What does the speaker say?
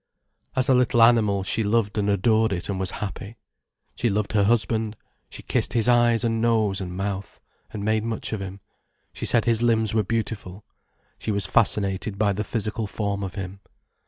As a little animal, she loved and adored it and was happy. She loved her husband, she kissed his eyes and nose and mouth, and made much of him, she said his limbs were beautiful, she was fascinated by the physical form of him.